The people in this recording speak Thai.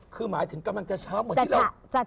คือหมายถึงกำลังจะเช้าเหมือนที่เรา